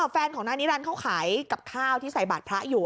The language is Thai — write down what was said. แฟนของนายนิรันดิ์เขาขายกับข้าวที่ใส่บาทพระอยู่